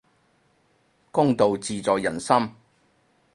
公道自在人心